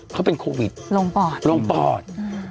เขาเป็นโควิดลงปอดลงปอด